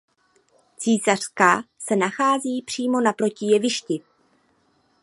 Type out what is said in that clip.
Císařská se nachází přímo naproti jevišti.